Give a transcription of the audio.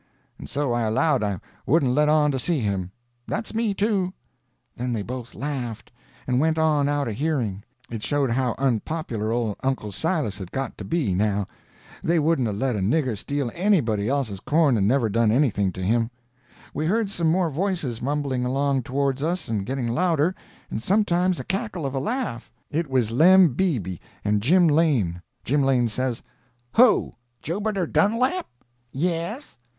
And so I allowed I wouldn't let on to see him." "That's me, too." Then they both laughed, and went on out of hearing. It showed how unpopular old Uncle Silas had got to be now. They wouldn't 'a' let a nigger steal anybody else's corn and never done anything to him. We heard some more voices mumbling along towards us and getting louder, and sometimes a cackle of a laugh. It was Lem Beebe and Jim Lane. Jim Lane says: "Who?—Jubiter Dunlap?" "Yes."